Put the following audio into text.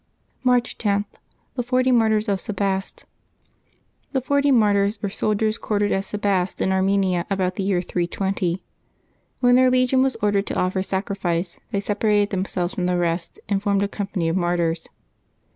March lo.—THE FORTY MARTYRS OF SEBASTE. ^^HE FoKTY Martyrs were soldiers quartered at Sebaste W^ in Armenia, about the year 320. When their legion wa« ordered to offer sacrifice they separated themselves from the rest and formed a company of martyrs.